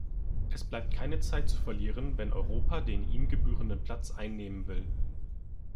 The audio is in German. Es bleibt keine Zeit zu verlieren, wenn Europa den ihm gebührenden Platz einnehmen will.